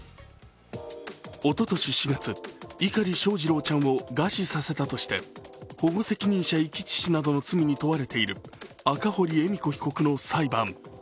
おととし４月、碇翔士郎ちゃんを餓死させたとして保護責任者遺棄致死などの罪に問われている赤堀恵美子被告の裁判。